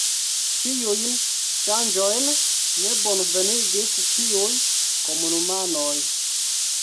Tiujn ŝanĝojn ne bonvenigis ĉiuj komunumanoj.